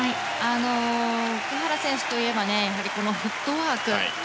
奥原選手といえばフットワーク。